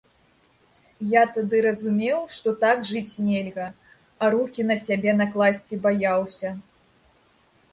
Я тады разумеў, што так жыць нельга, а рукі на сябе накласці баяўся.